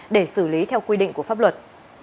để xử lý theo quy định của pháp luật